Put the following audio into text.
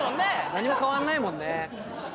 何も変わんないもんね。